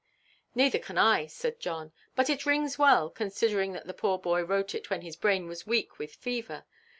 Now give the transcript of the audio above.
"Neither can I," said John; "but it rings well, considering that the poor boy wrote it when his brain was weak with fever.